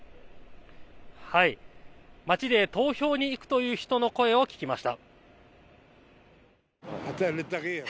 街で投票に行くという人の声を聞きました。